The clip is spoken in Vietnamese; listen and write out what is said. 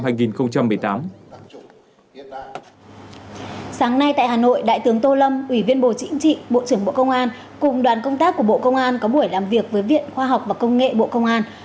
sáng nay tại hà nội đại tướng tô lâm ủy viên bộ chính trị bộ trưởng bộ công an cùng đoàn công tác của bộ công an có buổi làm việc với viện khoa học và công nghệ bộ công an